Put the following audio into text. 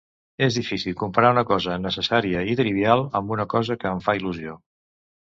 És difícil comparar una cosa necessària i trivial amb una cosa que em fa il·lusió.